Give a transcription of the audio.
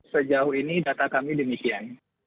sejauh ini data kami demikian